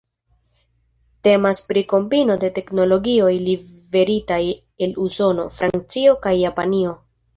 Temas pri kombino de teknologioj liveritaj el Usono, Francio kaj Japanio.